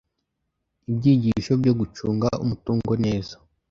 Ibyigisho byo gucunga umutungo neza,